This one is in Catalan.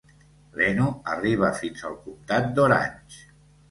L'Eno arriba fins al comtat d'Orange.